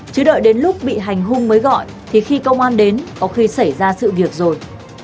chứ đợi đến lúc bị hành hung mới gọi thì khi công an đến có khi xảy ra sự việc rồi